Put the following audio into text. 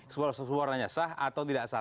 suaranya sah atau tidak sah